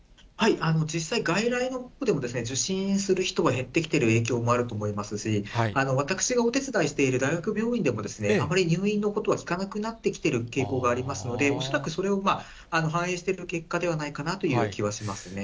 実際、外来のほうでも受診する人が減ってきている影響もあると思いますし、私がお手伝いしている大学病院でも、あまり入院のことは聞かなくなってきている傾向がありますので、恐らくそれを反映した結果ではないかなという気はしますね。